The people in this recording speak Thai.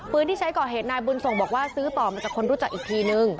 ที่ใช้ก่อเหตุนายบุญส่งบอกว่าซื้อต่อมาจากคนรู้จักอีกทีนึง